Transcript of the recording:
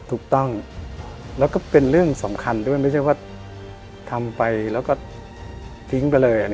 ถูกต้องแล้วก็เป็นเรื่องสำคัญด้วยไม่ใช่ว่าทำไปแล้วก็ทิ้งไปเลย